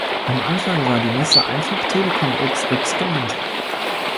Am Anfang wurde die Messe einfach Telecom xx genannt.